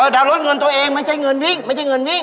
ดาวรถเงินตัวเองไม่ใช่เงินวิ่งไม่ใช่เงินวิ่ง